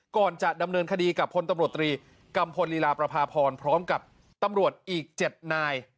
ก่อนจะดำเนินคดีกับพตรกัมพลลีราปรภพรพร้อมกับตำรวจอีก๗นาย